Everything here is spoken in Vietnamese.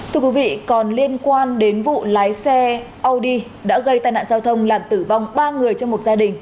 thưa quý vị còn liên quan đến vụ lái xe audi đã gây tai nạn giao thông làm tử vong ba người trong một gia đình